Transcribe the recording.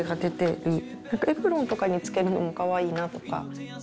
エプロンとかにつけるのもかわいいなとか。